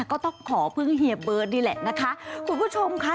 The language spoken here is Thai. ก็ต้องขอพึ่งเฮียเบิร์ตนี่แหละนะคะคุณผู้ชมค่ะ